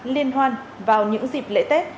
liên hoan vào những dịp lễ tết